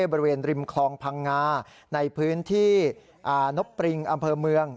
บริเวณริมคลองพังงาในพื้นที่นบปริงอำเภอเมือง